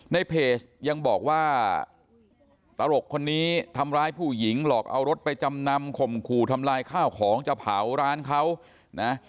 ในเพจยังบอกว่าตลกคนนี้ทำร้ายผู้หญิงหลอกเอารถไปจำนำข่มขู่ทำลายข้าวของจะเผาร้านเขานะ